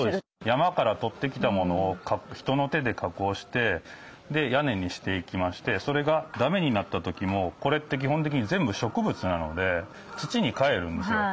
山から取ってきたものを人の手で加工して屋根にしていきましてそれがだめになった時もこれって基本的に全部植物なので土にかえるんですよ。